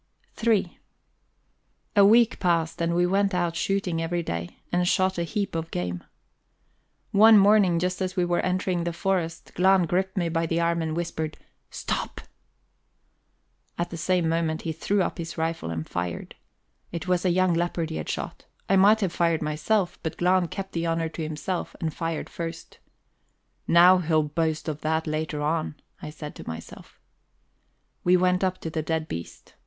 III A week passed, and we went out shooting every day, and shot a heap of game. One morning, just as we were entering the forest, Glahn gripped me by the arm and whispered: "Stop!" At the same moment he threw up his rifle and fired. It was a young leopard he had shot, I might have fired myself, but Glahn kept the honour to himself and fired first. Now he'll boast of that later on, I said to myself. We went up to the dead beast.